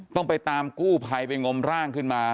ต้องไปตามกู้ภัยไปงมร่างขึ้นมา